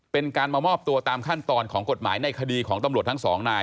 เป็นการมามอบตัวตามขั้นตอนของกฎหมายในคดีของตำรวจทั้งสองนาย